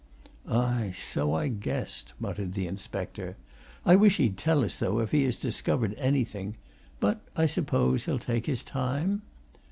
"Aye, so I guessed," muttered the inspector. "I wish he'd tell us, though, if he has discovered anything. But I suppose he'll take his time?"